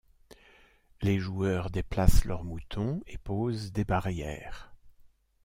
Les joueurs déplacent leurs moutons et posent des barrières.